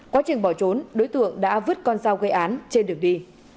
qua trường bỏ trốn đối tượng đã vứt con sao gây án trên đường đi